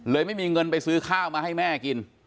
ไม่มีเงินไปซื้อข้าวมาให้แม่กิน